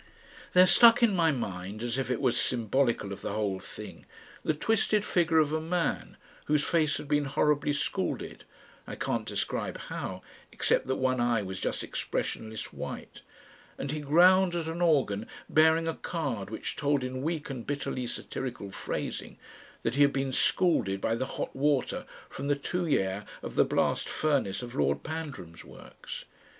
There stuck in my mind as if it was symbolical of the whole thing the twisted figure of a man, whose face had been horribly scalded I can't describe how, except that one eye was just expressionless white and he ground at an organ bearing a card which told in weak and bitterly satirical phrasing that he had been scalded by the hot water from the tuyeres of the blast furnace of Lord Pandram's works.